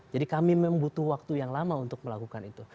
jadi kami memang butuh waktu yang lama untuk melakukan itu